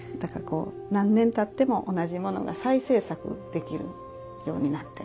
だからこう何年たっても同じものが再制作できるようになっております。